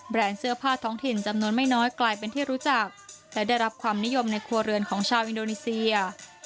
เสื้อผ้าท้องถิ่นจำนวนไม่น้อยกลายเป็นที่รู้จักและได้รับความนิยมในครัวเรือนของชาวอินโดนีเซีย